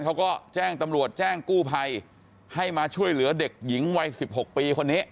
เขาก็แจ้งตำรวจแจ้งกู้ภัยให้มาช่วยเหลือเด็กหญิงวัย๑๖ปีคนนี้